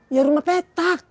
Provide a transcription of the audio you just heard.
ya rumah petak